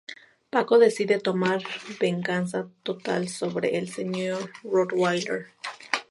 Paco decide tomar venganza total sobre el Sr. Rottweiler.